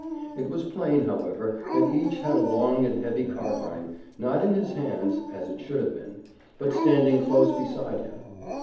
It was plain, however, that each had a long and heavy carbine, not in his hands (as it should have been), but standing close beside him.